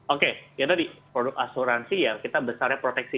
oke ya tadi produk asuransi ya kita besarnya proteksi